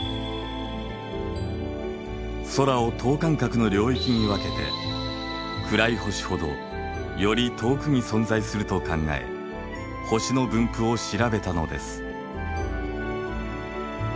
空を等間隔の領域に分けて暗い星ほどより遠くに存在すると考え星の分布を調べたのです。